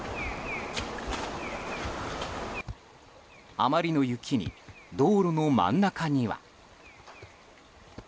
あまりの雪に道路の真ん中には。